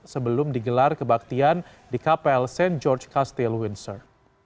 sebelum digelar kebaktian di kapel st george castle windsor